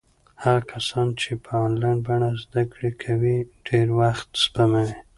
هغه کسان چې په انلاین بڼه زده کړې کوي ډېر وخت سپموي.